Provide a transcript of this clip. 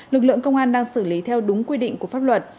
lực lượng công an đang xử lý theo đúng quy định của pháp luật